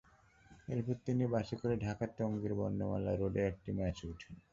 এরপর তিনি বাসে করে ঢাকার টঙ্গীর বর্ণমালা রোডের একটি মেসে ওঠেন।